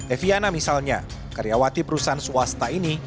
eviana misalnya karyawati perusahaan swasta ini